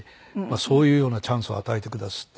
そういうようなチャンスを与えてくだすって。